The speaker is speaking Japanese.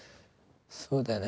そうだね。